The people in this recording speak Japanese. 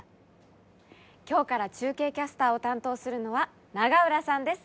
今日から中継キャスターを担当するのは永浦さんです。